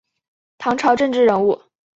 唐朝政治人物。